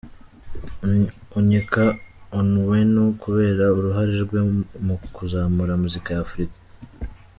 Onyeka Onwenu, kubera uruhare rwe mu kuzamura muzika ya Africa.